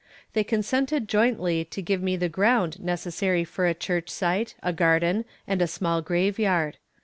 They consented jointly to give me the ground necessary for a church site, a garden and a small graveyard.